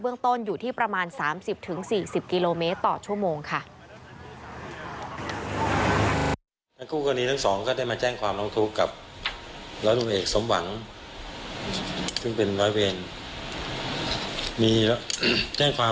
ต้นอยู่ที่ประมาณ๓๐๔๐กิโลเมตรต่อชั่วโมงค่ะ